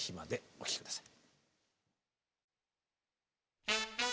お聴き下さい。